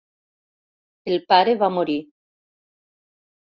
El pare va morir.